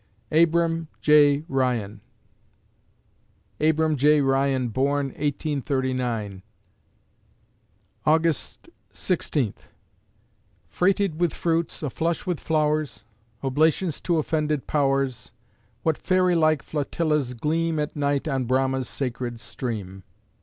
ABRAM J. RYAN Abram J. Ryan born, 1839 August Sixteenth Freighted with fruits, aflush with flowers, Oblations to offended powers, What fairy like flotillas gleam At night on Brahma's sacred stream.